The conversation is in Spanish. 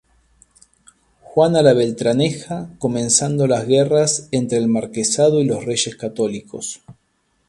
Juana la Beltraneja comenzando las guerras entre el marquesado y los Reyes Católicos.